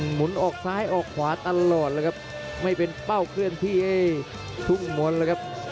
หมุนออกซ้ายออกขวาตลอดเลยครับไม่เป็นเป้าเคลื่อนที่ไอ้ทุ่งมนต์แล้วครับ